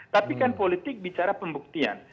tapi kan politik bicara pembuktian